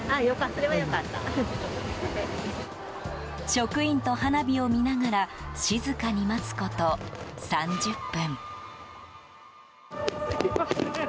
職員と花火を見ながら静かに待つこと３０分。